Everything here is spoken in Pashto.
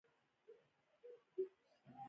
د خیبر دره یوه تاریخي لاره ده